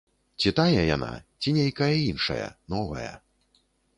Ці тая яна, ці нейкая іншая, новая.